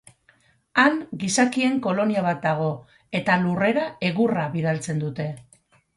Han gizakien kolonia bat dago eta Lurrera egurra bidaltzen dute.